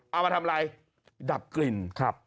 เอามาทำอะไรดับกลิ่นครับ